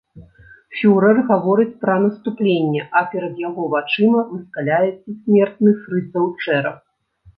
Фюрэр гаворыць пра наступленне, а перад яго вачыма выскаляецца смертны фрыцаў чэрап.